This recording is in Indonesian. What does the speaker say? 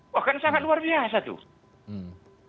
wah kan sangat luar biasa tuh